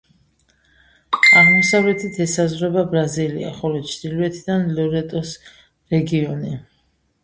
აღმოსავლეთით ესაზღვრება ბრაზილია, ხოლო ჩრდილოეთიდან ლორეტოს რეგიონი.